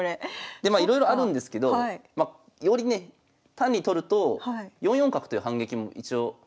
でまあいろいろあるんですけどまよりね単に取ると４四角という反撃も一応あるんで。